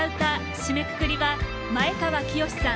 締めくくりは前川清さん